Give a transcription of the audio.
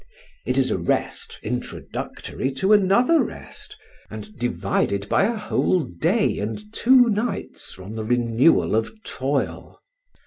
It is a rest introductory to another rest, and divided by a whole day and two nights from the renewal of toil.